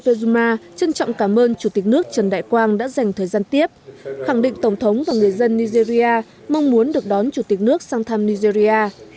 fujuma trân trọng cảm ơn chủ tịch nước trần đại quang đã dành thời gian tiếp khẳng định tổng thống và người dân nigeria mong muốn được đón chủ tịch nước sang thăm nigeria